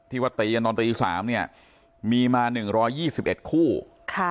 ว่าตีกันตอนตีสามเนี่ยมีมาหนึ่งร้อยยี่สิบเอ็ดคู่ค่ะ